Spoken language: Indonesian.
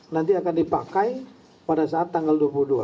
nanti akan dipakai pada saat tanggal dua puluh dua